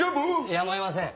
やむを得ません